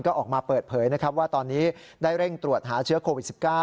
ก็ออกมาเปิดเผยนะครับว่าตอนนี้ได้เร่งตรวจหาเชื้อโควิด๑๙